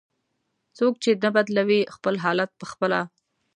"څوک چې نه بدلوي خپل حالت په خپله".